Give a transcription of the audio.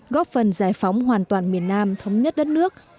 góp phần giải phóng hoàn toàn miền nam thống nhất đất nước